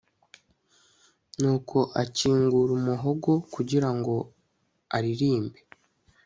nuko akingura umuhogo kugirango aririmbe